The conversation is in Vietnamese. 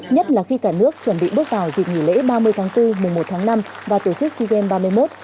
nhất là khi cả nước chuẩn bị bước vào dịp nghỉ lễ ba mươi tháng bốn mùa một tháng năm và tổ chức sea games ba mươi một